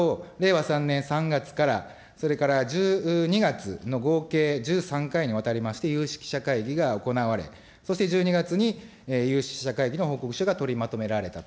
そのあと、令和３年３月からそれから１２月の合計１３回にわたりまして、有識者会議が行われ、そして、１２月に、有識者会議の報告書が取りまとめられたと。